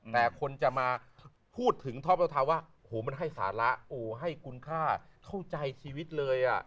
แต่คนจะมาพูดถึงท้อมเตอร์เท้าว่าโหมันให้สาระโอ้ให้คุณค่าเข้าใจชีวิตเลย